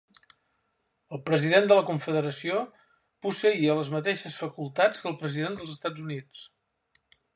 El President de la Confederació posseïa les mateixes facultats que el President dels Estats Units.